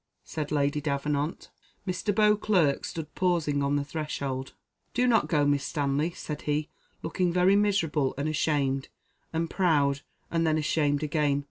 said Lady Davenant. Mr. Beauclerc stood pausing on the threshold "Do not go, Miss Stanley," said he, looking very miserable and ashamed, and proud, and then ashamed again.